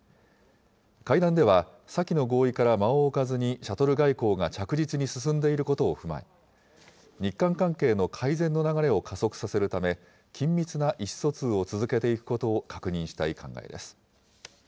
会談では、先の合意から間を置かずにシャトル外交が着実に進んでいることを踏まえ、日韓関係の改善の流れを加速させるため、緊密な意思疎通を続けていくことを確認したい考えです。